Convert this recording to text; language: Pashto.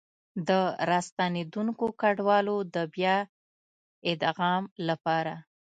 د راستنېدونکو کډوالو د بيا ادغام لپاره